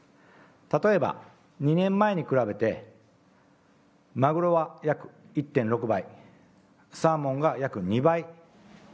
例えば、２年前に比べて、マグロは約１．６倍、サーモンが約２倍。